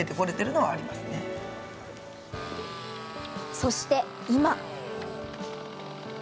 そして今。